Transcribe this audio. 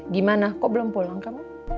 gimana kok belum pulang kamu